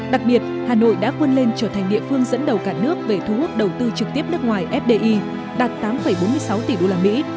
đặc biệt hà nội đã quân lên trở thành địa phương dẫn đầu cả nước về thu hút đầu tư trực tiếp nước ngoài fdi đạt tám bốn mươi sáu tỷ đô la mỹ